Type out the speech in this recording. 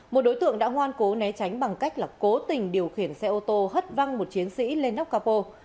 một đối tượng đã ngoan cố né tránh bằng cách là cố tình điều khiển xe ô tô hất văng một chiến sĩ lên nóc capo